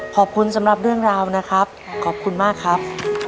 ขอบคุณสำหรับเรื่องราวนะครับขอบคุณมากครับ